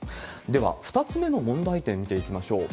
では、２つ目の問題点、見ていきましょう。